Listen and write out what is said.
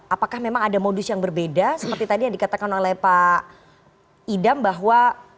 apakah memang ada modus yang berbeda seperti tadi yang dikatakan oleh pak idam bahwa